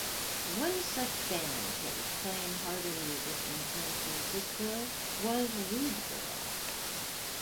One such band that was playing harder music in San Francisco was Rude Girl.